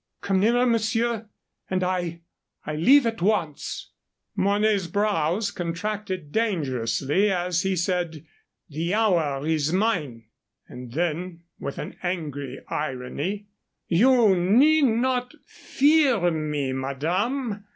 "Come nearer, monsieur, and I I leave at once." Mornay's brows contracted dangerously as he said: "The hour is mine"; and then, with an angry irony, "You need not fear me, madame.